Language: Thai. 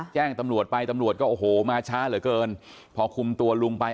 แจ้งตำรวจไปตำรวจก็โอ้โหมาช้าเหลือเกินพอคุมตัวลุงไป